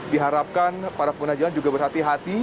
diharapkan para pengguna jalan juga berhati hati